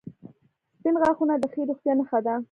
• سپین غاښونه د ښې روغتیا نښه ده.